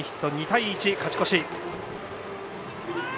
２対１勝ち越し。